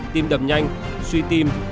tim đập nhanh suy tim